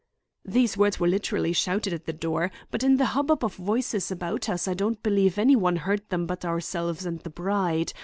These words were literally shouted at the door, but in the hubbub of voices about us I don't believe any one heard them but ourselves and the bride.